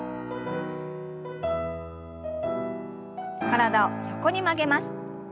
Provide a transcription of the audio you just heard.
体を横に曲げます。